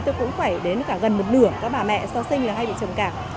tôi cũng phải đến gần một nửa các bà mẹ so sinh hay bị trầm cảm